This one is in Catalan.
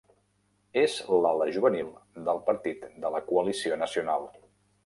És l'ala juvenil del Partit de la Coalició Nacional.